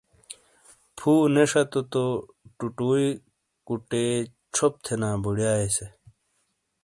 پھو نے شتو تو ٹوٹوے کوٹے چھوپ تھینا بڑایاے سے۔